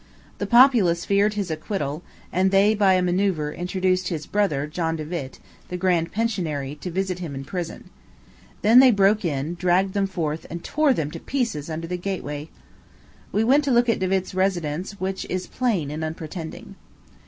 The populace feared his acquittal, and they by a manœuvre induced his brother John De Witt, the grand pensionary, to visit him in prison. They then broke in, dragged them forth, and tore them to pieces under the gateway. We went to look at De Witt's residence, which is plain and unpretending.